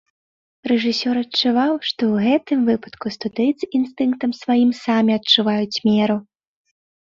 Рэжысёр адчуваў, што ў гэтым выпадку студыйцы інстынктам сваім самі адчуваюць меру.